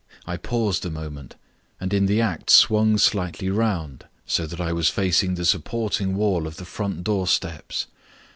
I paused a moment, and in the act swung slightly round, so that I was facing the supporting wall of the front door steps.